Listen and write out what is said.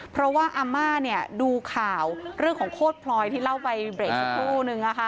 เพราะว่าอาม่าดูข่าวเรื่องของโคตรพลอยที่เล่าไปเบรกสักครู่นึง